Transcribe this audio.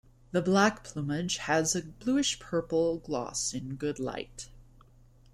The black plumage has a bluish-purple gloss in good light.